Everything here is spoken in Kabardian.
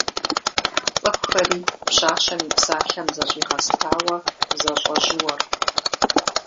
ЦӀыхухэри пщащэм и псалъэм зэщӀигъэстауэ, зэщӀэжьууэрт.